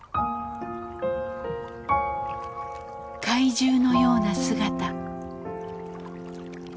怪獣のような姿。